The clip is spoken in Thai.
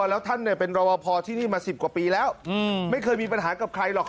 แล้วท่านเป็นรอปภที่นี่มา๑๐กว่าปีแล้วไม่เคยมีปัญหากับใครหรอก